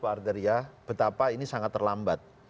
pak arteria betapa ini sangat terlambat